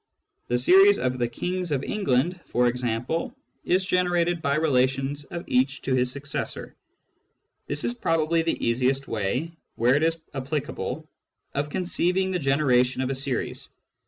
The series of the Kings of England, for example, is generated by relations of each to his successor. This is probably the easiest way, where it is applicable, of conceiving the generation of a series.